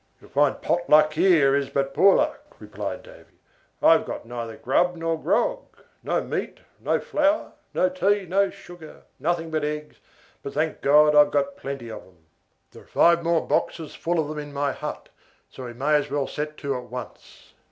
"You'll find pot luck here is but poor luck," replied Davy. "I've got neither grub nor grog, no meat, no flour, no tea, no sugar nothing but eggs; but, thank God, I've got plenty of them. There are five more boxes full of them in my hut, so we may as well set to at once."